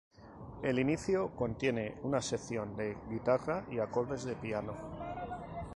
El inicio contiene una sección de guitarra y acordes de piano.